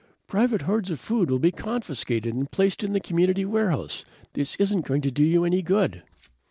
"Private hoards of food will be confiscated and placed in the community warehouse. This isn't going to do you any good!"